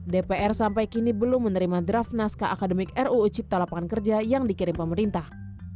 dpr sampai kini belum menerima draft naskah akademik ruu cipta lapangan kerja yang dikirim pemerintah